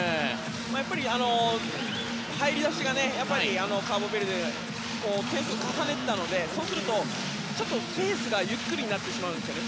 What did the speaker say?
やっぱり入りだしでカーボベルデ点数を重ねていたのでそうすると、ちょっとペースがゆっくりになってしまうんですね。